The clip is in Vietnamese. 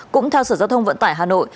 cũng theo sở giao thông vận tải hà nội